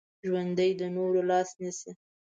ژوندي د نورو لاس نیسي